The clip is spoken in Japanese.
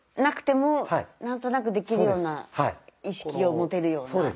なくても何となくできるような意識を持てるような。